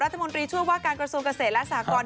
รัฐมนตรีช่วยว่าการกระทรวงเกษตรและสากร